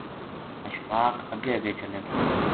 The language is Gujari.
اشفاق اگے اگے چلے تھو